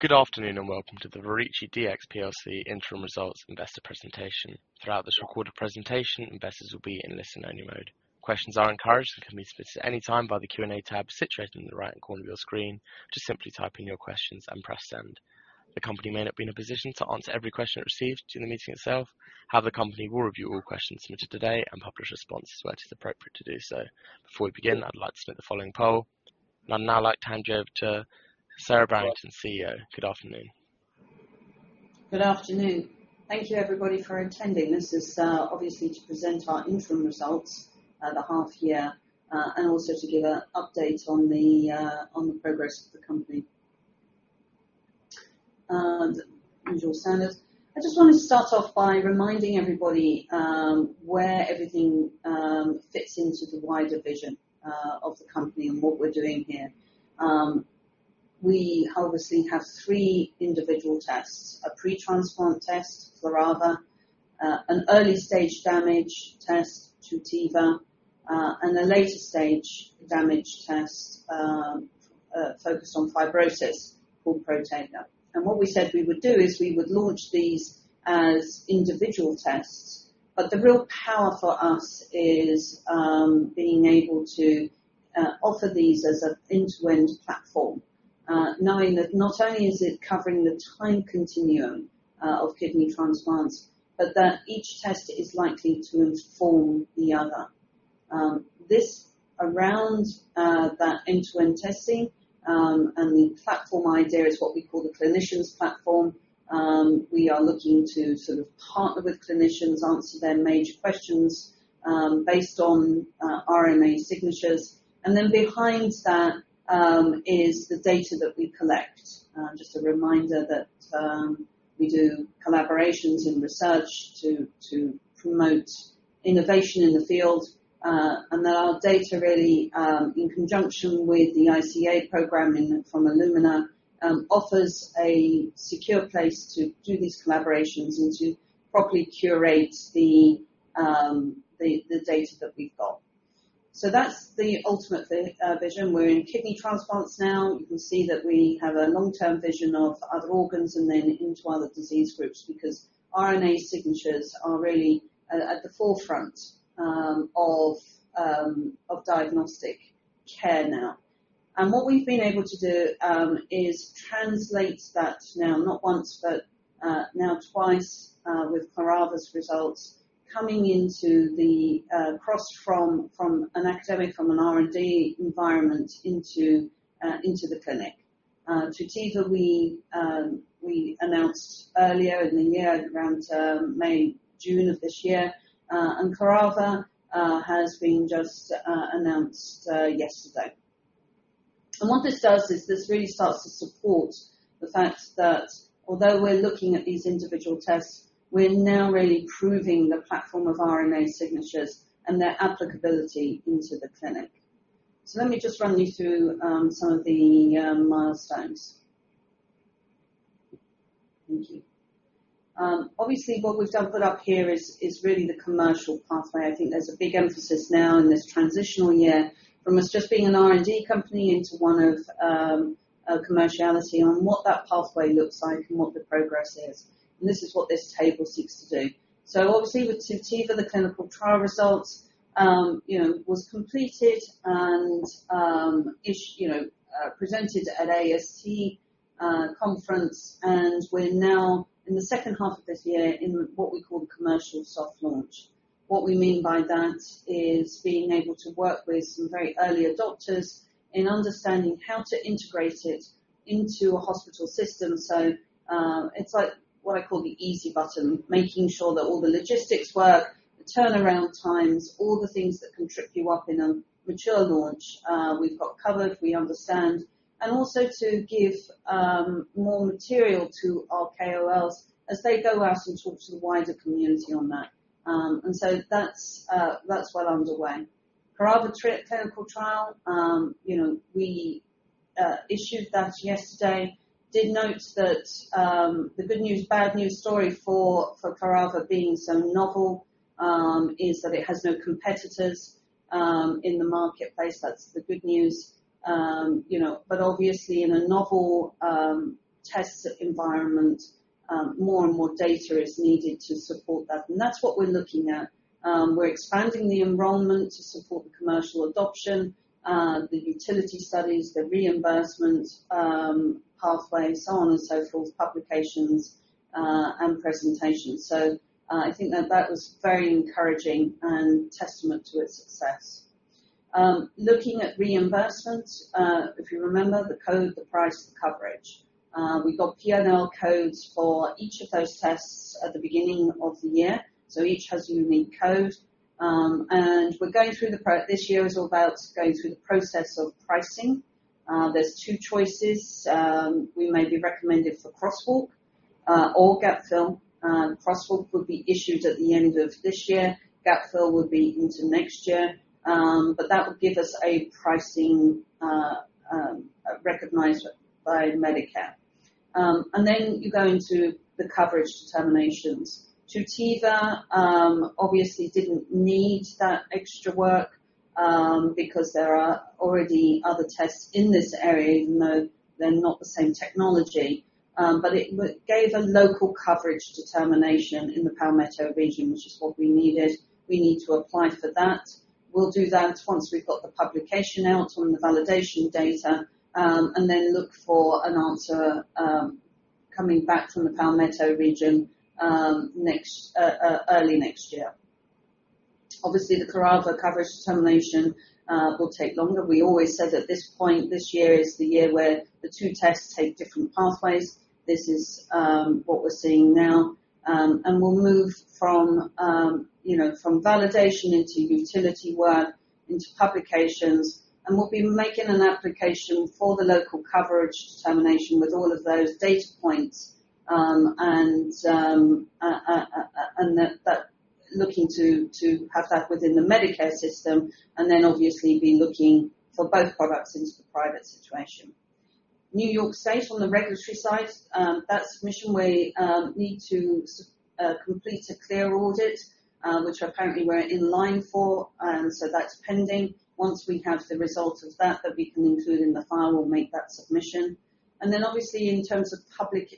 Good afternoon, and welcome to the Verici Dx plc Interim Results Investor Presentation. Throughout this recorded presentation, investors will be in listen-only mode. Questions are encouraged and can be submitted at any time by the Q&A tab situated in the right-hand corner of your screen. Just simply type in your questions and press send. The company may not be in a position to answer every question it receives during the meeting itself. However, the company will review all questions submitted today and publish responses where it is appropriate to do so. Before we begin, I'd like to submit the following poll. I'd now like to hand you over to Sara Barrington, CEO. Good afternoon. Good afternoon. Thank you everybody for attending. This is obviously to present our interim results at the half year, and also to give an update on the progress of the company. Usual standards. I just want to start off by reminding everybody where everything fits into the wider vision of the company and what we're doing here. We obviously have three individual tests, a pre-transplant test, Clarava, an early-stage damage test, Tutivia, and a later stage damage test focused on fibrosis called Protega. What we said we would do is we would launch these as individual tests. The real power for us is being able to offer these as an end-to-end platform, knowing that not only is it covering the time continuum of kidney transplants, but that each test is likely to inform the other. This around that end-to-end testing and the platform idea is what we call the clinicians platform. We are looking to sort of partner with clinicians, answer their major questions, based on RNA signatures. Then behind that is the data that we collect. Just a reminder that we do collaborations in research to promote innovation in the field, and that our data really in conjunction with the ICA programming from Illumina offers a secure place to do these collaborations and to properly curate the data that we've got. That's the ultimate vision. We're in kidney transplants now. You can see that we have a long-term vision of other organs and then into other disease groups, because RNA signatures are really at the forefront of diagnostic care now. What we've been able to do is translate that now, not once, but now twice, with Clarava's results coming across from an academic, from an R&D environment into the clinic. Tutivia, we announced earlier in the year around May, June of this year. Clarava has just been announced yesterday. What this does is this really starts to support the fact that although we're looking at these individual tests, we're now really proving the platform of RNA signatures and their applicability into the clinic. Let me just run you through some of the milestones. Thank you. Obviously what we've done put up here is really the commercial pathway. I think there's a big emphasis now in this transitional year from us just being an R&D company into one of commerciality on what that pathway looks like and what the progress is. This is what this table seeks to do. Obviously with Tutivia, the clinical trial results, you know, was completed and, you know, is presented at AST conference, and we're now in the second half of this year in what we call the commercial soft launch. What we mean by that is being able to work with some very early adopters in understanding how to integrate it into a hospital system. It's like what I call the easy button, making sure that all the logistics work, the turnaround times, all the things that can trip you up in a mature launch, we've got covered, we understand. Also to give more material to our KOLs as they go out and talk to the wider community on that. That's well underway. Clarava clinical trial, we issued that yesterday. Did note that the good news, bad news story for Clarava being so novel is that it has no competitors in the marketplace. That's the good news. Obviously in a novel test environment, more and more data is needed to support that, and that's what we're looking at. We're expanding the enrollment to support the commercial adoption, the utility studies, the reimbursement pathway, so on and so forth, publications, and presentations. I think that was very encouraging and a testament to its success. Looking at reimbursements, if you remember the code, the price, the coverage. We got PLA codes for each of those tests at the beginning of the year, so each has a unique code. This year is all about going through the process of pricing. There's two choices. We may be recommended for crosswalk or gap fill. Crosswalk would be issued at the end of this year. Gap fill would be into next year. That would give us a pricing recognized by Medicare. Then you go into the coverage determinations. Tutivia, obviously didn't need that extra work. Because there are already other tests in this area, even though they're not the same technology, but it gave a local coverage determination in the Palmetto region, which is what we needed. We need to apply for that. We'll do that once we've got the publication out on the validation data, and then look for an answer coming back from the Palmetto region early next year. Obviously, the Clarava coverage determination will take longer. We always said at this point, this year is the year where the two tests take different pathways. This is what we're seeing now. We'll move from, you know, from validation into utility work into publications, and we'll be making an application for the local coverage determination with all of those data points, and that looking to have that within the Medicare system and then obviously be looking for both products into the private situation. New York State on the regulatory side, that submission we need to complete a CLIA audit, which apparently we're in line for, and so that's pending. Once we have the results of that we can include in the file, we'll make that submission. Obviously in terms of publicizing,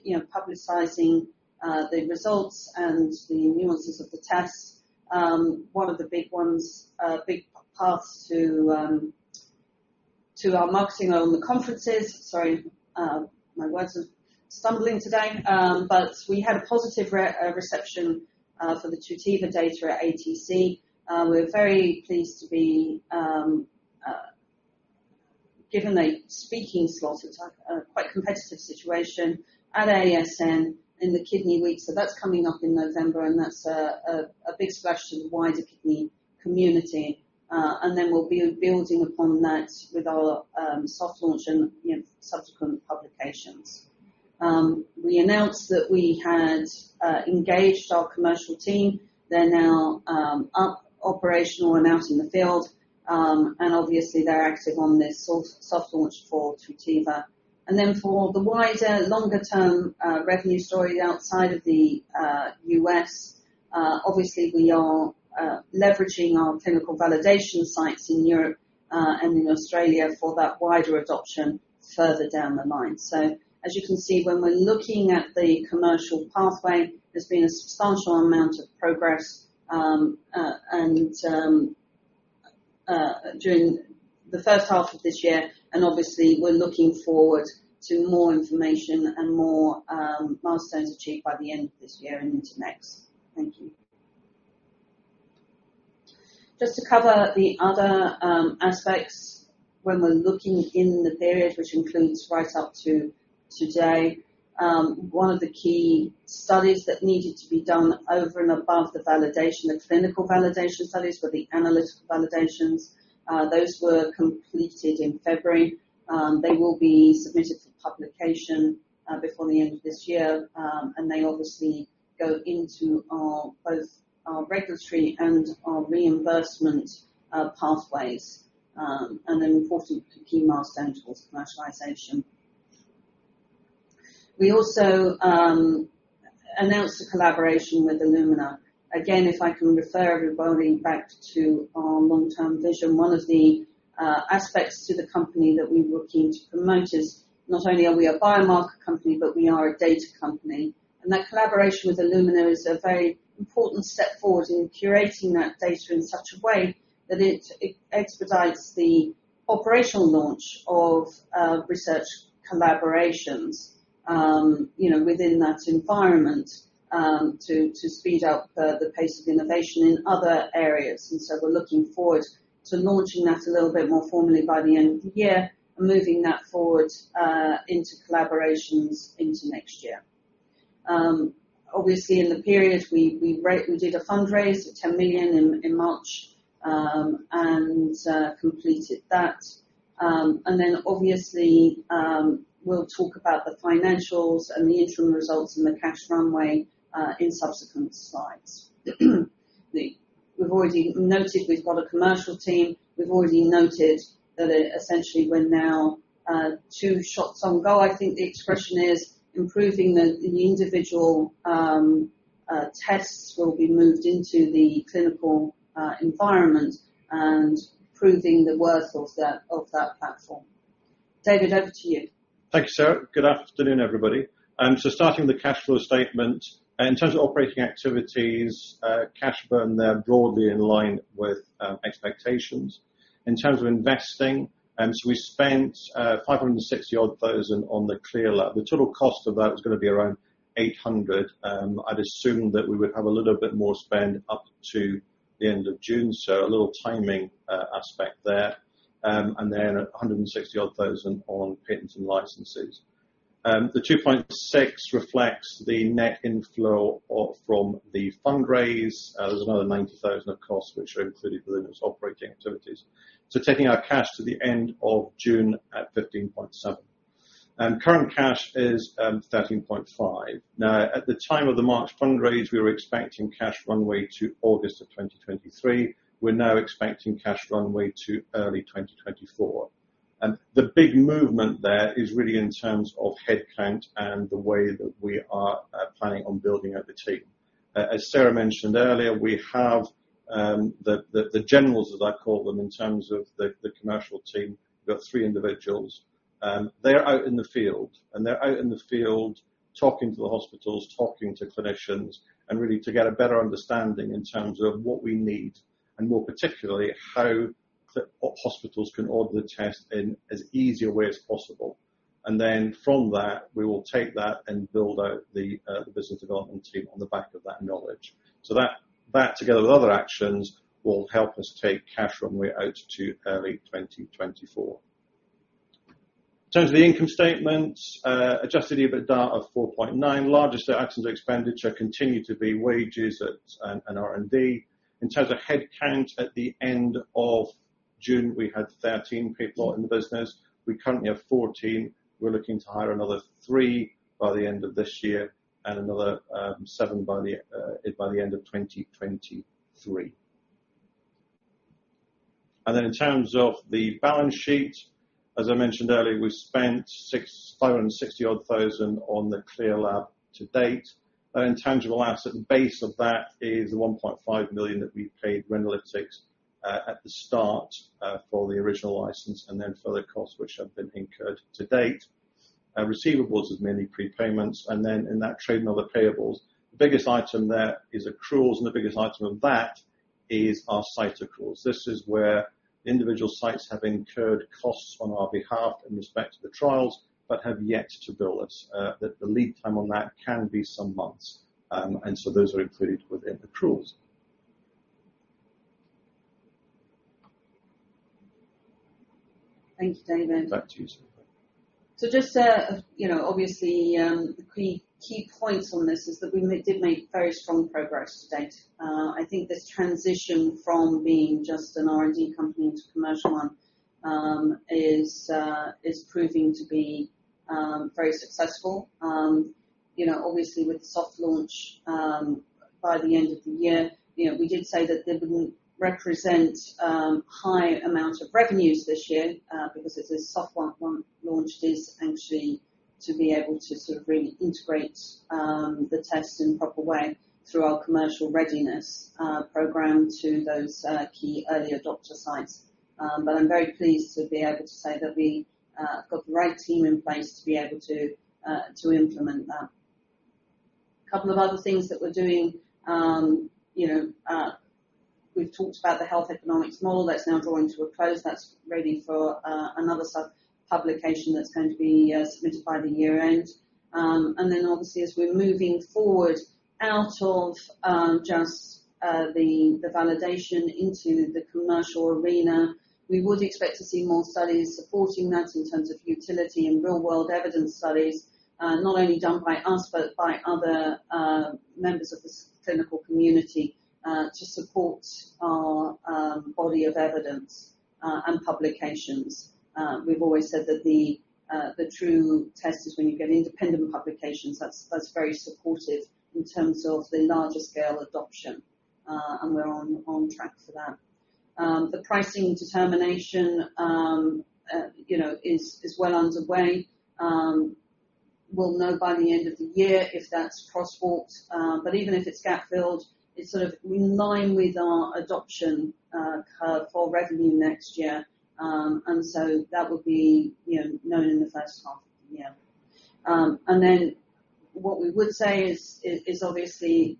you know, the results and the nuances of the tests, one of the big ones, big paths to our marketing on the conferences. Sorry, my words are stumbling today. We had a positive reception for the Tutivia data at ATC. We're very pleased to be given a speaking slot. It's a quite competitive situation at ASN in the Kidney Week, so that's coming up in November, and that's a big splash to the wider kidney community. Then we'll be building upon that with our soft launch and, you know, subsequent publications. We announced that we had engaged our commercial team. They're now up operational and out in the field, and obviously they're active on this soft launch for Tutivia. Then for the wider, longer-term revenue story outside of the U.S., obviously we are leveraging our clinical validation sites in Europe and in Australia for that wider adoption further down the line. As you can see, when we're looking at the commercial pathway, there's been a substantial amount of progress during the first half of this year, and obviously we're looking forward to more information and more milestones achieved by the end of this year and into next. Thank you. Just to cover the other aspects when we're looking in the period which includes right up to today, one of the key studies that needed to be done over and above the validation, the clinical validation studies, were the analytical validations. Those were completed in February. They will be submitted for publication before the end of this year. They obviously go into our both our regulatory and our reimbursement pathways, and an important key milestone towards commercialization. We also announced a collaboration with Illumina. Again, if I can refer everybody back to our long-term vision, one of the aspects to the company that we were keen to promote is not only are we a biomarker company, but we are a data company. That collaboration with Illumina is a very important step forward in curating that data in such a way that it expedites the operational launch of research collaborations, you know, within that environment, to speed up the pace of innovation in other areas. We're looking forward to launching that a little bit more formally by the end of the year and moving that forward into collaborations into next year. Obviously in the period we did a fundraise of 10 million in March and completed that. Obviously we'll talk about the financials and the interim results and the cash runway in subsequent slides. We've already noted we've got a commercial team. We've already noted that essentially we're now two shots on goal, I think the expression is. Improving the individual tests will be moved into the clinical environment and proving the worth of that platform. David, over to you. Thank you, Sara. Good afternoon, everybody. Starting with the cash flow statement. In terms of operating activities, cash burn there broadly in line with expectations. In terms of investing, we spent 560-odd thousand on the CLIA lab. The total cost of that is gonna be around 800 thousand. I'd assumed that we would have a little bit more spend up to the end of June, so a little timing aspect there. Then 160-odd thousand on patents and licenses. The 2.6 reflects the net inflow from the fundraise. There's another 90 thousand of costs which are included within those operating activities. Taking our cash to the end of June at 15.7. Current cash is 13.5. Now, at the time of the March fundraise, we were expecting cash runway to August 2023. We're now expecting cash runway to early 2024. The big movement there is really in terms of head count and the way that we are planning on building out the team. As Sara mentioned earlier, we have the generals, as I call them, in terms of the commercial team. We've got three individuals. They are out in the field, and they're out in the field talking to the hospitals, talking to clinicians, and really to get a better understanding in terms of what we need, and more particularly, how hospitals can order the test in as easy a way as possible. From that, we will take that and build out the business development team on the back of that knowledge. That together with other actions will help us take cash runway out to early 2024. In terms of the income statement, adjusted EBITDA of 4.9. Largest items of expenditure continue to be wages and R&D. In terms of headcount, at the end of June, we had 13 people in the business. We currently have 14. We're looking to hire another three by the end of this year and another seven by the end of 2023. In terms of the balance sheet, as I mentioned earlier, we spent 560,000-odd on the CLIA lab to date. Our intangible asset base of that is 1.5 million that we paid Renalytix at the start for the original license and then further costs which have been incurred to date. Receivables is mainly prepayments. Then, trade and other payables. The biggest item there is accruals, and the biggest item of that is our site accruals. This is where individual sites have incurred costs on our behalf in respect to the trials, but have yet to bill us. The lead time on that can be some months. Those are included within accruals. Thank you, David. Back to you, Sara. Just you know obviously the key points on this is that we did make very strong progress to date. I think this transition from being just an R&D company to a commercial one is proving to be very successful. You know obviously with soft launch by the end of the year. You know we did say that they wouldn't represent high amounts of revenues this year because it's a soft launch. It is actually to be able to sort of really integrate the test in proper way through our commercial readiness program to those key early adopter sites. I'm very pleased to be able to say that we have got the right team in place to be able to implement that. Couple of other things that we're doing. You know, we've talked about the health economics model that's now drawing to a close. That's ready for another sub-publication that's going to be submitted by the year-end. Obviously, as we're moving forward out of just the validation into the commercial arena, we would expect to see more studies supporting that in terms of utility and real-world evidence studies, not only done by us, but by other members of this clinical community, to support our body of evidence, and publications. We've always said that the true test is when you get independent publications that's very supportive in terms of the larger scale adoption. We're on track for that. The pricing determination, you know, is well underway. We'll know by the end of the year if that's crosswalk, but even if it's gapfill, it's sort of in line with our adoption curve for revenue next year. That would be, you know, known in the first half of the year. What we would say is obviously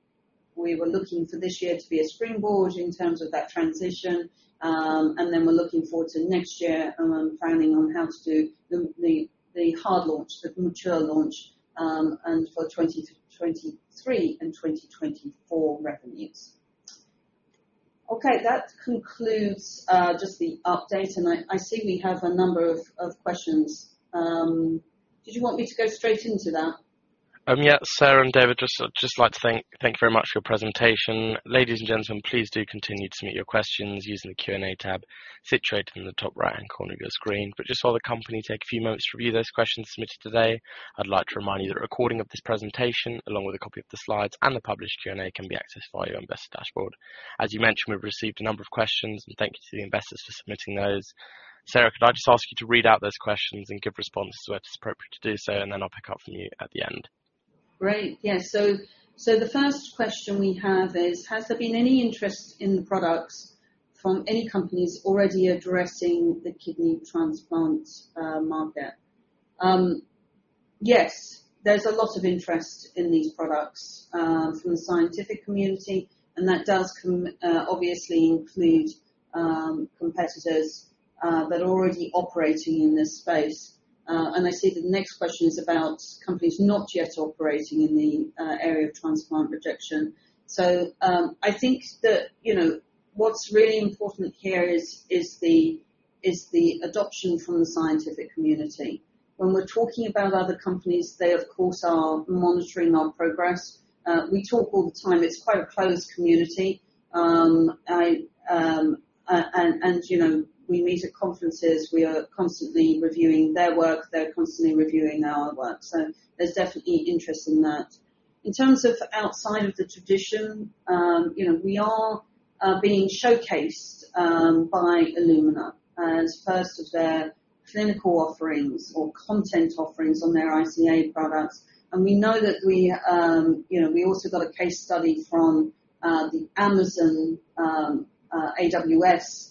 we were looking for this year to be a springboard in terms of that transition. We're looking forward to next year, planning on how to do the hard launch, the mature launch, and for 2023 and 2024 revenues. Okay. That concludes just the update. I see we have a number of questions. Did you want me to go straight into that? Yeah. Sara and David, just like to thank you very much for your presentation. Ladies and gentlemen, please do continue to submit your questions using the Q&A tab situated in the top right-hand corner of your screen. Just while the company take a few moments to review those questions submitted today, I'd like to remind you that a recording of this presentation, along with a copy of the slides and the published Q&A, can be accessed via your investor dashboard. As you mentioned, we've received a number of questions, and thank you to the investors for submitting those. Sara, could I just ask you to read out those questions and give responses where it's appropriate to do so, and then I'll pick up from you at the end. Great. Yeah. The first question we have is: Has there been any interest in the products from any companies already addressing the kidney transplant market? Yes. There's a lot of interest in these products from the scientific community, and that does obviously include competitors that are already operating in this space. I see the next question is about companies not yet operating in the area of transplant rejection. I think that, you know, what's really important here is the adoption from the scientific community. When we're talking about other companies, they of course are monitoring our progress. We talk all the time. It's quite a closed community. You know, we meet at conferences. We are constantly reviewing their work. They're constantly reviewing our work. There's definitely interest in that. In terms of outside of the traditional, you know, we are being showcased by Illumina as first of their clinical offerings or content offerings on their ICA products. We know that we, you know, we also got a case study from Amazon AWS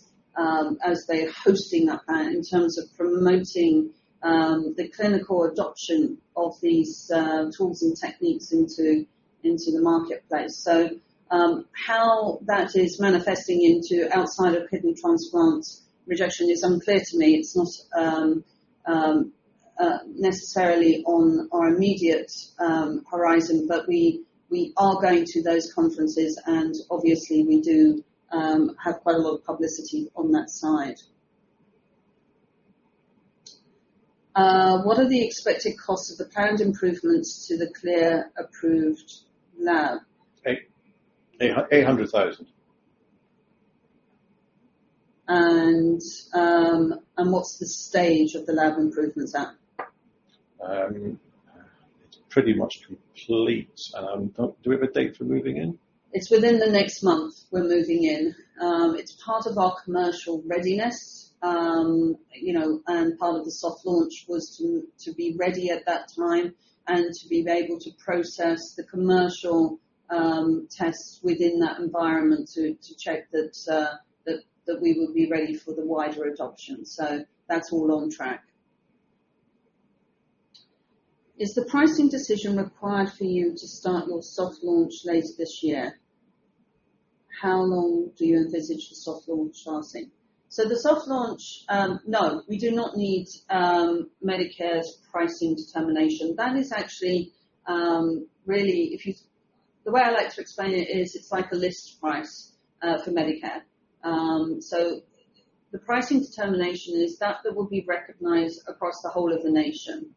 as they're hosting that in terms of promoting the clinical adoption of these tools and techniques into the marketplace. How that is manifesting into outside of kidney transplant rejection is unclear to me. It's not necessarily on our immediate horizon, but we are going to those conferences, and obviously we do have quite a lot of publicity on that side. What are the expected costs of the planned improvements to the CLIA-approved lab? 800,000 What's the stage of the lab improvements at? It's pretty much complete. Do we have a date for moving in? It's within the next month we're moving in. It's part of our commercial readiness. You know, and part of the soft launch was to be ready at that time and to be able to process the commercial tests within that environment to check that we would be ready for the wider adoption. That's all on track. Is the pricing decision required for you to start your soft launch later this year? How long do you envisage the soft launch lasting? The soft launch, no, we do not need Medicare's pricing determination. That is actually really. The way I like to explain it is it's like a list price for Medicare. The pricing determination is that it will be recognized across the whole of the nation.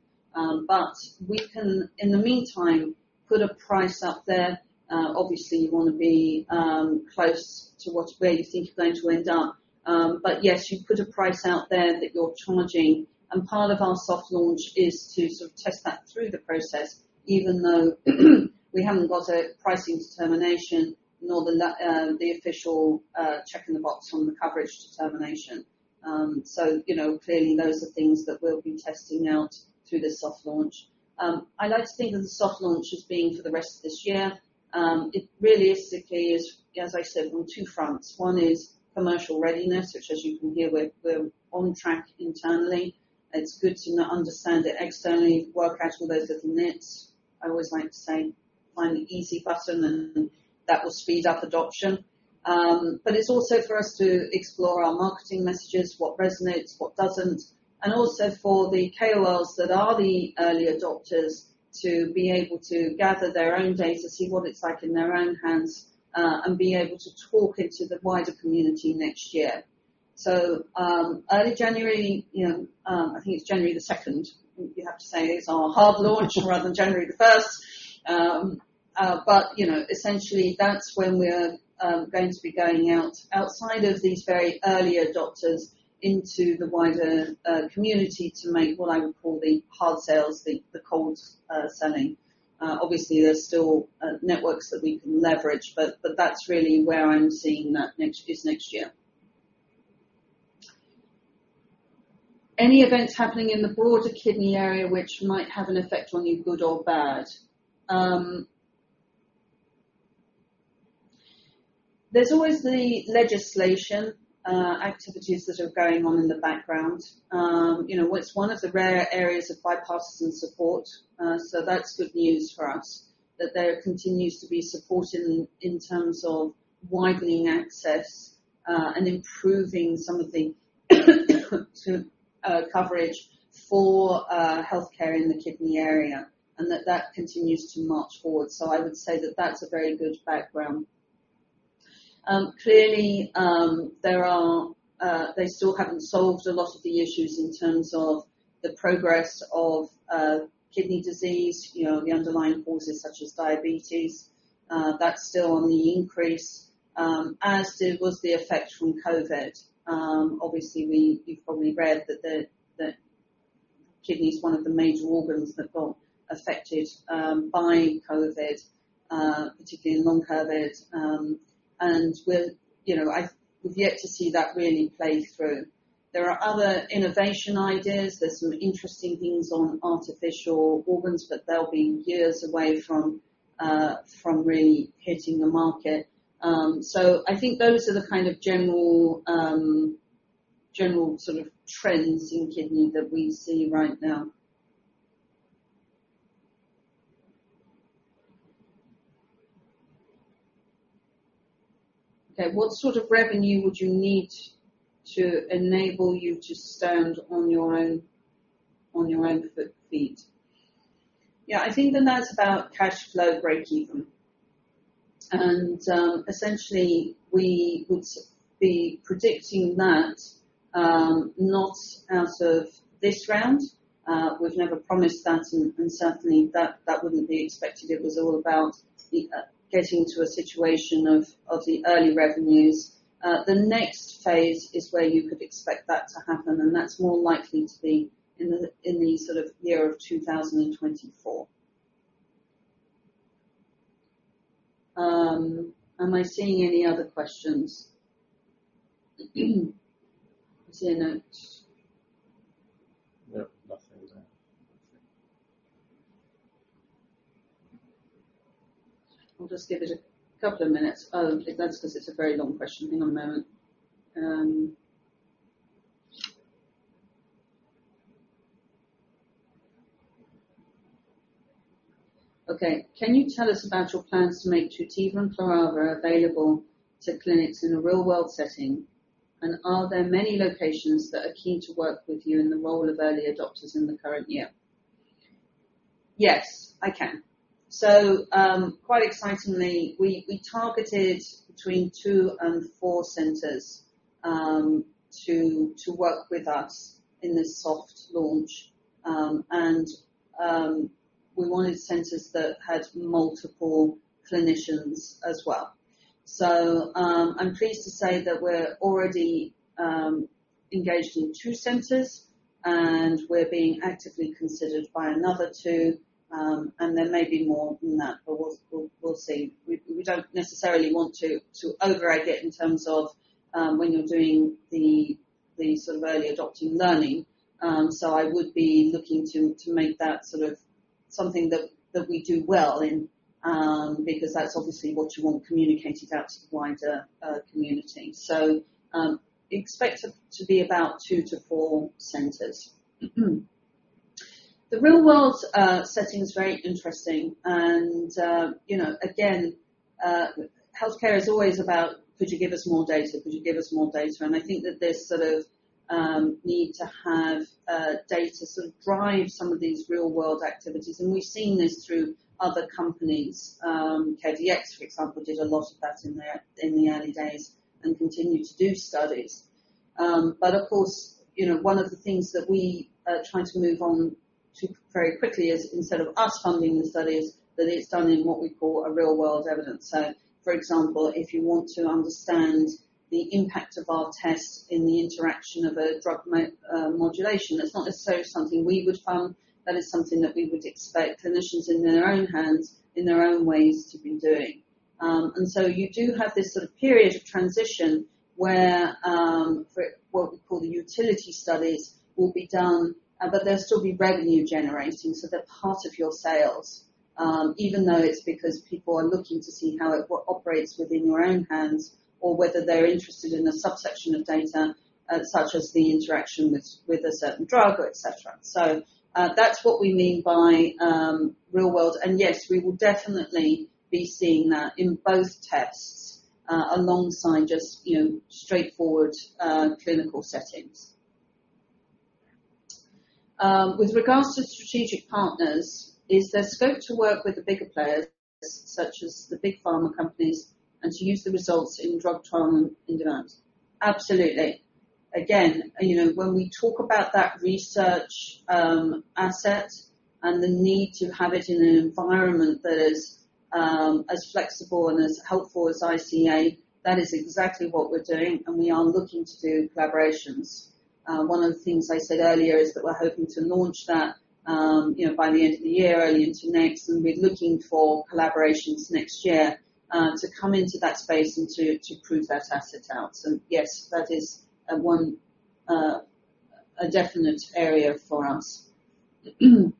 We can, in the meantime, put a price up there. Obviously you wanna be close to where you think you're going to end up. Yes, you put a price out there that you're charging, and part of our soft launch is to sort of test that through the process, even though we haven't got a pricing determination nor the official check in the box from the coverage determination. You know, clearly those are things that we'll be testing out through this soft launch. I like to think of the soft launch as being for the rest of this year. It realistically is, as I said, on two fronts. One is commercial readiness, which as you can hear, we're on track internally. It's good to now understand it externally, work out all those little kinks. I always like to say find the easy button, and that will speed up adoption. It's also for us to explore our marketing messages, what resonates, what doesn't, and also for the KOLs that are the early adopters to be able to gather their own data, see what it's like in their own hands, and be able to talk it to the wider community next year. Early January, you know, I think it's January the second, we have to say, is our hard launch rather than January the first. You know, essentially that's when we're going to be going out outside of these very early adopters into the wider community to make what I would call the hard sales, the cold selling. Obviously, there's still networks that we can leverage, but that's really where I'm seeing that next, is next year. Any events happening in the broader kidney area which might have an effect on you, good or bad? There's always the legislative activities that are going on in the background. You know, it's one of the rare areas of bipartisan support, so that's good news for us that there continues to be support in terms of widening access, and improving some of the coverage for healthcare in the kidney area, and that continues to march forward. I would say that that's a very good background. Clearly, they still haven't solved a lot of the issues in terms of the progress of kidney disease. You know, the underlying causes such as diabetes, that's still on the increase, as was the effect from COVID. Obviously you've probably read that kidney's one of the major organs that got affected by COVID, particularly in long COVID, and you know, we've yet to see that really play through. There are other innovation ideas. There's some interesting things on artificial organs, but they'll be years away from really hitting the market. I think those are the kind of general sort of trends in kidney that we see right now. Okay, what sort of revenue would you need to enable you to stand on your own feet? Yeah, I think then that's about cash flow breakeven. Essentially we would be predicting that not out of this round. We've never promised that, and certainly that wouldn't be expected. It was all about the getting to a situation of the early revenues. The next phase is where you could expect that to happen, and that's more likely to be in the sort of year of 2023. Am I seeing any other questions? I see a note. No, nothing there. Nothing. I'll just give it a couple of minutes. Oh, that's 'cause it's a very long question. Hang on a moment. Okay. Can you tell us about your plans to make Tutivia and Clarava available to clinics in a real-world setting? Are there many locations that are key to work with you in the role of early adopters in the current year? Yes, I can. Quite excitingly, we targeted between 2 and 4 centers to work with us in this soft launch. We wanted centers that had multiple clinicians as well. I'm pleased to say that we're already engaged in 2 centers, and we're being actively considered by another 2. There may be more than that, but we'll see. We don't necessarily want to overegg it in terms of when you're doing the sort of early adopter learning. I would be looking to make that sort of something that we do well in because that's obviously what you want communicated out to the wider community. Expect it to be about 2-4 centers. The real-world setting is very interesting and healthcare is always about could you give us more data? Could you give us more data? I think that this sort of need to have data sort of drive some of these real-world activities, and we've seen this through other companies. CareDx, for example, did a lot of that in their early days and continue to do studies. Of course, you know, one of the things that we are trying to move on to very quickly is instead of us funding the studies, that it's done in what we call a real-world evidence. For example, if you want to understand the impact of our tests in the interaction of a drug modulation, that's not necessarily something we would fund. That is something that we would expect clinicians in their own hands, in their own ways to be doing. You do have this sort of period of transition where for what we call the utility studies will be done, but they'll still be revenue generating, so they're part of your sales, even though it's because people are looking to see how it operates within your own hands or whether they're interested in a subsection of data, such as the interaction with a certain drug or et cetera. That's what we mean by real world. Yes, we will definitely be seeing that in both tests, alongside just, you know, straightforward clinical settings. With regards to strategic partners, is there scope to work with the bigger players such as the big pharma companies and to use the results in drug trial and development? Absolutely. Again, you know, when we talk about that research asset and the need to have it in an environment that is as flexible and as helpful as ICA, that is exactly what we're doing, and we are looking to do collaborations. One of the things I said earlier is that we're hoping to launch that, you know, by the end of the year, early into next, and we're looking for collaborations next year to come into that space and to prove that asset out. Yes, that is one, a definite area for us. Is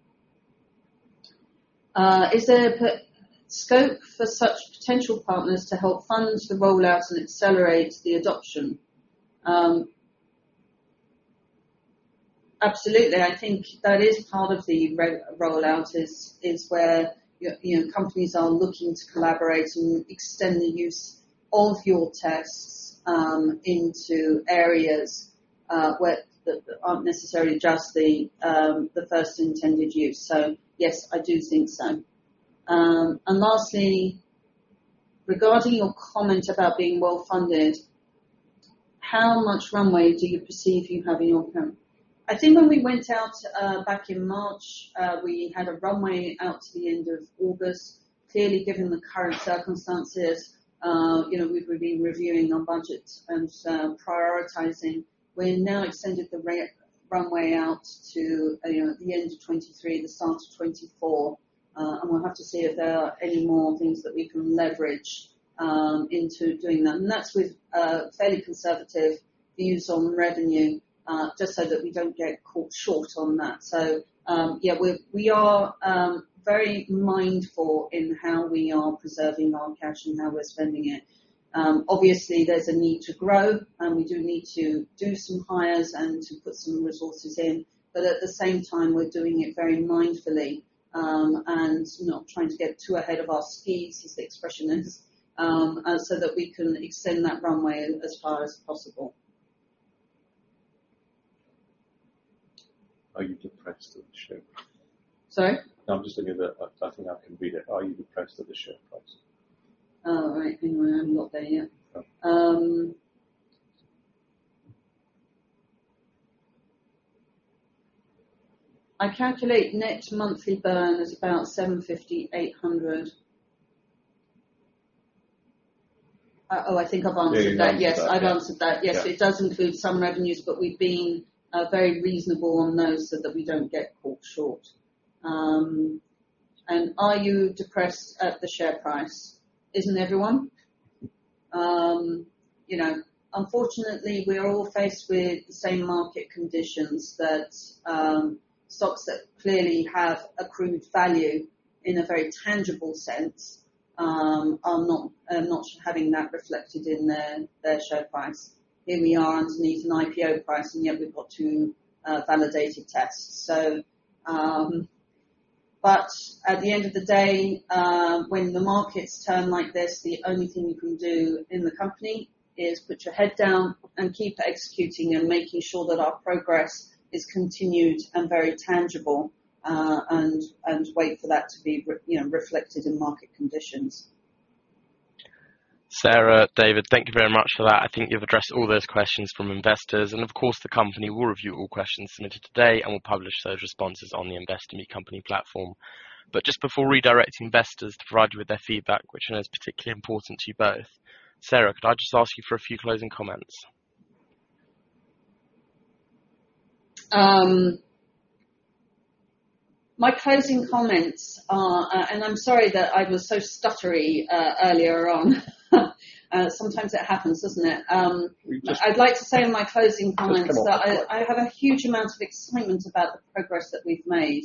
there a scope for such potential partners to help fund the rollout and accelerate the adoption? Absolutely. I think that is part of the rollout is where your, you know, companies are looking to collaborate and extend the use of your tests into areas where there aren't necessarily just the first intended use. Yes, I do think so. Lastly, regarding your comment about being well-funded, how much runway do you perceive you have in your current? I think when we went out back in March we had a runway out to the end of August. Clearly, given the current circumstances you know, we've been reviewing our budget and prioritizing. We're now extended the runway out to you know, the end of 2023, the start of 2024. We'll have to see if there are any more things that we can leverage into doing that. That's with fairly conservative views on revenue, just so that we don't get caught short on that. Yeah, we are very mindful in how we are preserving our cash and how we're spending it. Obviously, there's a need to grow, and we do need to do some hires and to put some resources in, but at the same time, we're doing it very mindfully, and not trying to get too ahead of our skis, as the expression is, so that we can extend that runway as far as possible. Are you depressed at the share price? Sorry. No, I think I can read it. Are you depressed at the share price? Oh, right. Hang on. I'm not there yet. Oh. I calculate net monthly burn is about 750-800. Oh, I think I've answered that. You've answered that. Yes, I've answered that. Yes. It does include some revenues, but we've been very reasonable on those so that we don't get caught short. Are you depressed at the share price? Isn't everyone? You know, unfortunately, we're all faced with the same market conditions that stocks that clearly have accrued value in a very tangible sense are not having that reflected in their share price. Here we are underneath an IPO price, and yet we've got two validated tests. But at the end of the day, when the markets turn like this, the only thing you can do in the company is put your head down and keep executing and making sure that our progress is continued and very tangible, and wait for that to be, you know, reflected in market conditions. Sarah, David, thank you very much for that. I think you've addressed all those questions from investors. Of course, the company will review all questions submitted today and will publish those responses on the Investor Meet Company platform. Just before redirecting investors to provide you with their feedback, which I know is particularly important to you both, Sarah, could I just ask you for a few closing comments? My closing comments are. I'm sorry that I was so stuttery earlier on. Sometimes it happens, doesn't it? We just- I'd like to say in my closing comments. Just come off the flight. I have a huge amount of excitement about the progress that we've made.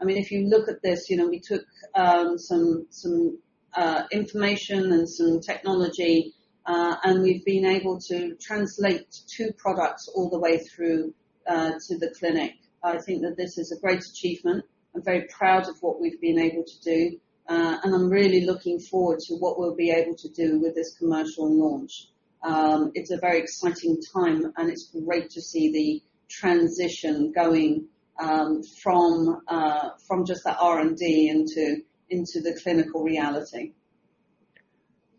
I mean, if you look at this, you know, we took some information and some technology, and we've been able to translate two products all the way through to the clinic. I think that this is a great achievement. I'm very proud of what we've been able to do, and I'm really looking forward to what we'll be able to do with this commercial launch. It's a very exciting time, and it's great to see the transition going from just the R&D into the clinical reality.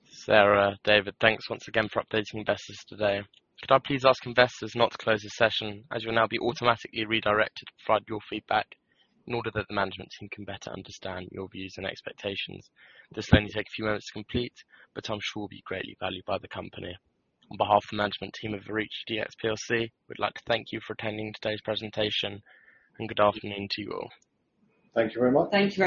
Sara, David, thanks once again for updating investors today. Could I please ask investors not to close this session, as you'll now be automatically redirected to provide your feedback in order that the management team can better understand your views and expectations. This will only take a few moments to complete, but I'm sure will be greatly valued by the company. On behalf of the management team of Verici Dx pLC, we'd like to thank you for attending today's presentation, and good afternoon to you all. Thank you very much. Thank you.